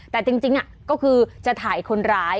แต่จริงก็คือจะถ่ายคนร้าย